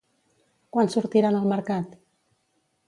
Quan sortiran al mercat?